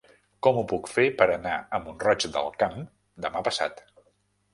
Com ho puc fer per anar a Mont-roig del Camp demà passat?